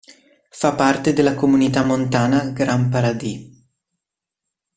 Fa parte della Comunità Montana Grand Paradis.